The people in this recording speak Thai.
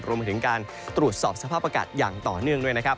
รวมไปถึงการตรวจสอบสภาพอากาศอย่างต่อเนื่องด้วยนะครับ